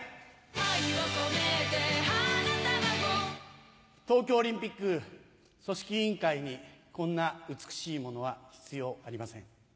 愛をこめて花束を東京オリンピック組織委員会にこんな美しいものは必要ありません。